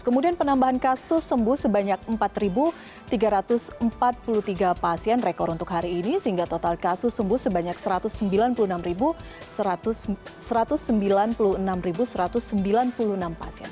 kemudian penambahan kasus sembuh sebanyak empat tiga ratus empat puluh tiga pasien rekor untuk hari ini sehingga total kasus sembuh sebanyak satu ratus sembilan puluh enam satu ratus sembilan puluh enam satu ratus sembilan puluh enam pasien